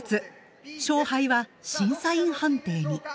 勝敗は審査員判定に。